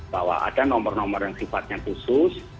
bahwa ada nomor nomor yang sifatnya khusus